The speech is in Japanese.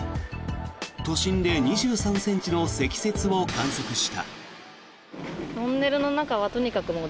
都心で２３ｃｍの積雪を観測した。